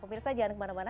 pemirsa jangan kemana mana